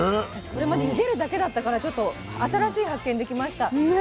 私これまでゆでるだけだったからちょっと新しい発見できました。